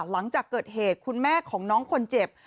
หลังจากเกิดเหตุคุณแม่ของน้องคนเจ็บ